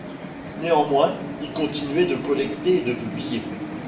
Néanmoins, il continuait de collecter et de publier.